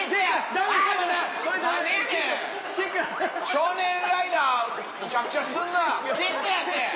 少年ライダーむちゃくちゃすんな。